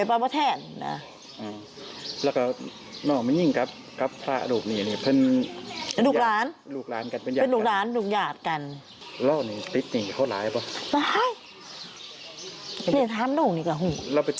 เพราะว่าของพระอุทิศหนีไปแน่ครับ